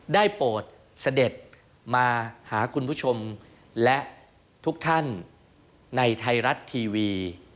โปรดเสด็จมาหาคุณผู้ชมและทุกท่านในไทยรัฐทีวี